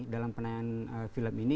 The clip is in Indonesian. dalam penanyian film ini